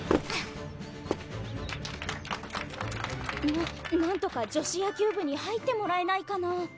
ななんとか女子野球部に入ってもらえないかな